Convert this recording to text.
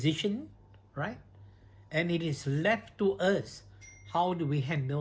dan itu tinggal untuk kita bagaimana kita menguruskan diri kita sendiri